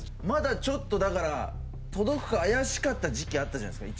まだちょっとだから届くか怪しかった時期あったじゃない